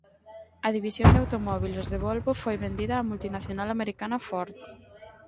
A división de automóbiles de Volvo foi vendida á multinacional americana Ford.